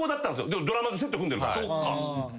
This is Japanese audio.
ドラマのセット組んでるから。